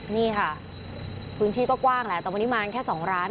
นี่ค่ะพื้นที่ก็กว้างแหละแต่วันนี้มากันแค่๒ร้าน